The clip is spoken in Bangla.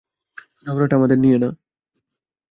ঝগড়াটা আমাদের নিয়ে না।